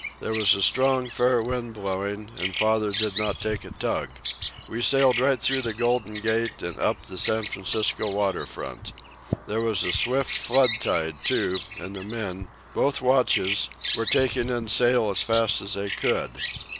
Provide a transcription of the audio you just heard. There was a strong fair wind blowing, and father did not take a tug. We sailed right through the Golden Gate and up the San Francisco water front. There was a swift flood tide, too; and the men, both watches, were taking in sail as fast as they could.